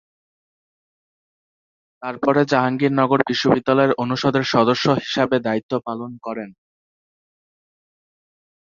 তারপরে জাহাঙ্গীরনগর বিশ্ববিদ্যালয়ের অনুষদের সদস্য হিসাবে দায়িত্ব পালন করেন।